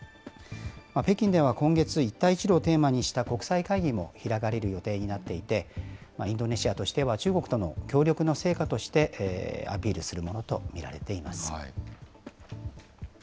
北京では今月、一帯一路をテーマにした国際会議も開かれる予定になっていて、インドネシアとしては中国との協力の成果としてアピールするものと見られています。